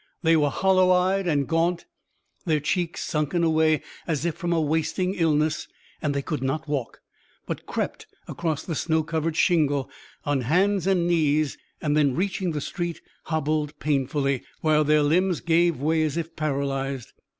They were hollow eyed and gaunt, their cheeks sunken away as if from a wasting illness, and they could not walk, but crept across the snow covered shingle on hands and knees, then reaching the street hobbled painfully, while their limbs gave way as if paralyzed.